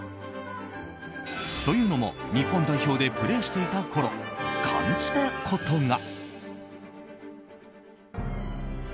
というのも日本代表でプレーしていたころ感じたことが。